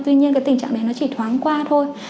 tuy nhiên cái tình trạng này nó chỉ thoáng qua thôi